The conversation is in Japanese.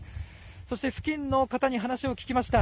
そして、付近の方に話を聞きました。